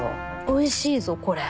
おいしいぞこれ。